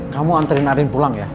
kamu anterin arin pulang ya